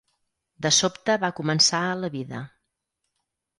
De sobte va començar a la vida.